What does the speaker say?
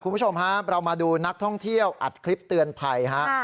คุณผู้ชมครับเรามาดูนักท่องเที่ยวอัดคลิปเตือนภัยฮะ